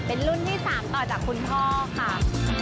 เป็นรุ่นที่๓ต่อจากคุณพ่อค่ะ